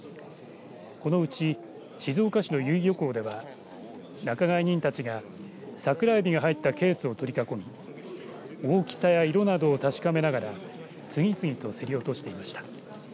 このうち静岡市の由比漁港では仲買人たちがサクラエビが入ったケースを取り囲み大きさや色などを確かめながら次々と競り落としていました。